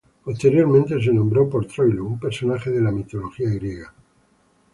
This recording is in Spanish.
Posteriormente se nombró por Troilo, un personaje de la mitología griega.